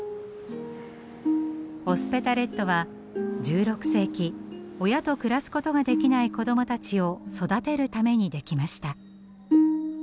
オスペダレットは１６世紀親と暮らすことができない子どもたちを育てるためにできました。